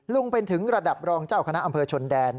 เป็นถึงระดับรองเจ้าคณะอำเภอชนแดน